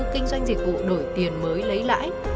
kinh doanh dịch vụ đổi tiền mới lấy lãi